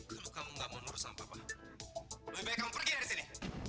kalau kamu gak mau nurus sama papa lebih baik kamu pergi dari sini